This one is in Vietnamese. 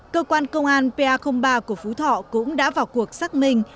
cơ quan công an pa ba của phú thọ cũng đã vào cuộc xác minh